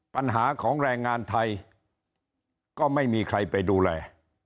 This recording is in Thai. ปัญหาของแรงงานไทยก็ไม่มีใครไปดูแล